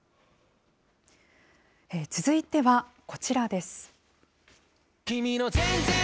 続いてはこちらです。